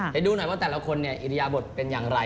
ไปดูหน่อยว่าแต่ละคนเนี่ยอิริยบทเป็นอย่างไร